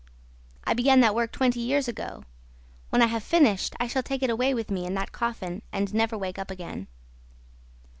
I began that work twenty years ago. When I have finished, I shall take it away with me in that coffin and never wake up again.'